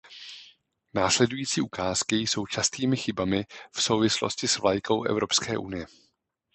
Následující ukázky jsou častými chybami v souvislosti s vlajkou Evropské unie.